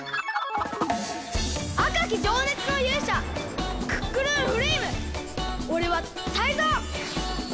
あかきじょうねつのゆうしゃクックルンフレイムおれはタイゾウ！